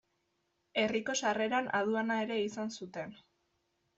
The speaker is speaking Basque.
Herriko sarreran aduana ere izan zuten.